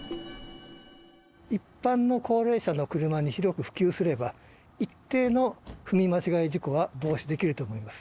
一般の高齢者の車に広く普及すれば、一定の踏み間違い事故は防止できると思います。